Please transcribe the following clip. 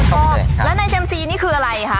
แล้วในเซียมซีนี่คืออะไรคะ